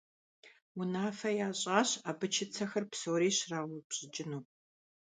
Унафэ ящӀащ абы чыцэхэр псори щраупщӀыкӀыну.